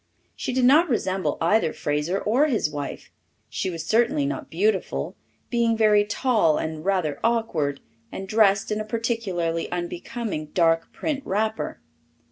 She did not resemble either Fraser or his wife. She was certainly not beautiful, being very tall and rather awkward, and dressed in a particularly unbecoming dark print wrapper.